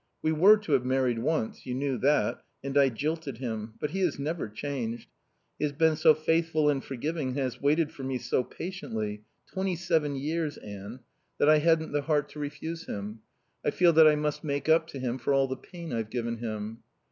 We were to have married once (you knew that), and I jilted him. But he has never changed. He has been so faithful and forgiving, and has waited for me so patiently twenty seven years, Anne that I hadn't the heart to refuse him. I feel that I must make up to him for all the pain I've given him.